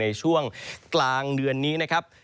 ในช่วงกลางเดือนนี้นะครับ